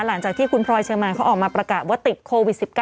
หลังจากที่คุณพลอยเชอร์มานเขาออกมาประกาศว่าติดโควิด๑๙